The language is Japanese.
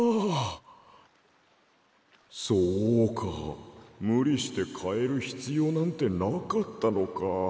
こころのこえそうかむりしてかえるひつようなんてなかったのか。